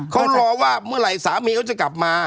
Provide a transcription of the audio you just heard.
เขารอว่าเมื่อไหร่สามีเขาจะกลับมา